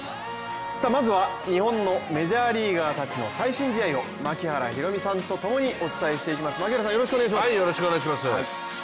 まずは日本のメジャーリーガーたちの最新試合を槙原寛己さんとともにお伝えしていきます。